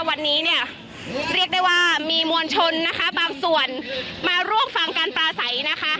วันนี้เนี่ยเรียกได้ว่ามีมวลชนนะคะบางส่วนมาร่วมฟังการปลาใสนะคะ